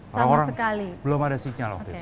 sama sekali belum ada sinyal waktu itu